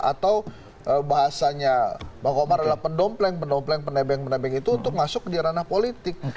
atau bahasanya bang komar adalah pendompleng pendopleng penebeng penebeng itu untuk masuk di ranah politik